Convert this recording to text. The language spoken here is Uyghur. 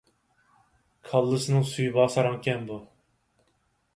كاللىسىنىڭ سۈيى بار ساراڭكەن بۇ!